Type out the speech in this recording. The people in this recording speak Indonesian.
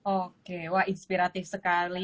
oke wah inspiratif sekali